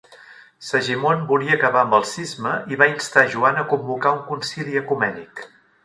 Segimon volia acabar amb el cisma i va instar Joan a convocar un concili ecumènic.